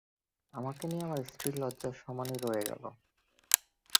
আমাকে নিয়ে আমার স্ত্রীর লজ্জা সমানই রয়ে গেল।